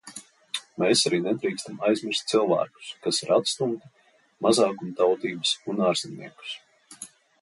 Mēs arī nedrīkstam aizmirst cilvēkus, kas ir atstumti, mazākumtautības un ārzemniekus.